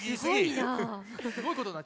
すごいな。